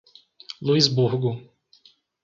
Luisburgo